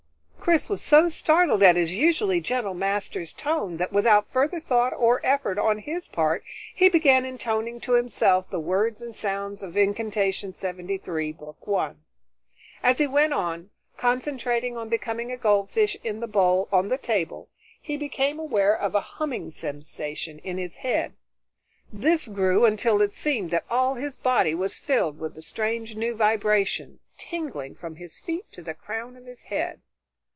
Chris was so startled at his usually gentle master's tone that without further thought or effort on his part, he began intoning to himself the words and sounds of Incantation 73, Book One. As he went on, concentrating on becoming a goldfish in the bowl on the table, he became aware of a humming sensation in his head. This grew until it seemed that all his body was filled with the strange new vibration, tingling from his feet to the crown of his head.